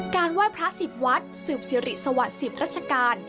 การว่ายพระสิบวัดสืบสิริสวัสดิ์สิบรัชกาล